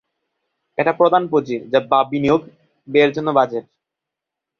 এটা প্রধান পুঁজি, বা বিনিয়োগ, ব্যয়ের জন্য বাজেট।